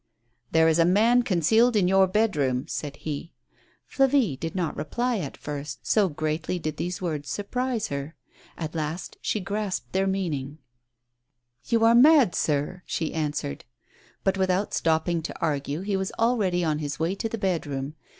"There is a man concealed in your bed room," said he. Flavie did not reply at first, so greatly did these words sui'prise her. At last she grasped their meaning. 104 TREACHERY. "You are mad, sir," she answered. Bat, without stopping to argue, he was already on his way to the bed room.